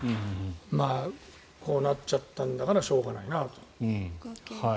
まあ、こうなっちゃったんだからしょうがないなと。